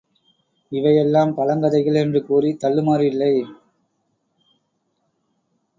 இவையெல்லாம் பழங்கதைகள் என்று கூறித் தள்ளுமாறில்லை.